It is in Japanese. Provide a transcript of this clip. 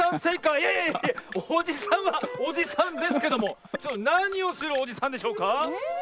いやいやいやおじさんはおじさんですけどもなにをするおじさんでしょうか？